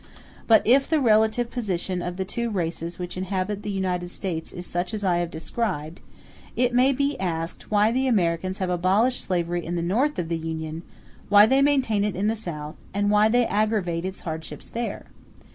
But if the relative position of the two races which inhabit the United States is such as I have described, it may be asked why the Americans have abolished slavery in the North of the Union, why they maintain it in the South, and why they aggravate its hardships there?